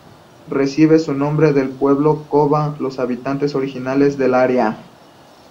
Recibe su nombre del pueblo koba, los habitantes originales del área.